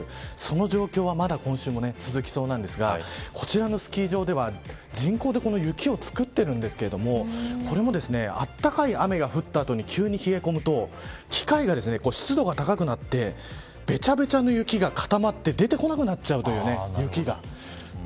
昼はものすごい暑くなって朝がすごい寒いというその状況はまだ今週も続きそうなんですがこちらのスキー場では人工で雪を作ってるんですけどこれも、あったかい雨が降った後に急に冷え込むと機械が湿度が高くなってべちゃべちゃの雪が固まって出て来なくなっちゃうといういいね、雪が。